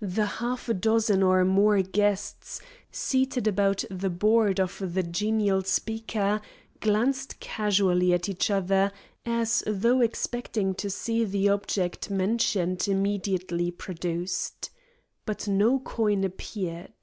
The half dozen or more guests seated about the board of the genial speaker, glanced casually at each other as though expecting to see the object mentioned immediately produced. But no coin appeared.